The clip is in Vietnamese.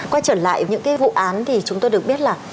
quay trở lại những cái vụ án thì chúng tôi được biết là